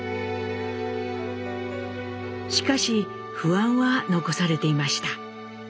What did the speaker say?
しかし不安は残されていました。